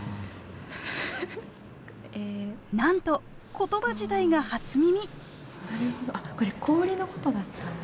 なんと言葉自体が初耳！